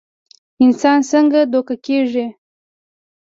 انسان څنګ دوکه کيږي